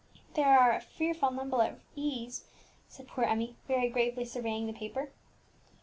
"There are a fearful number of E's," said poor Emmie, very gravely surveying the paper.